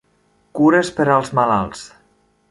Cures per als malalts.